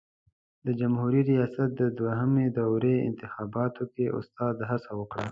د جمهوري ریاست د دوهمې دورې انتخاباتو کې استاد هڅه وکړه.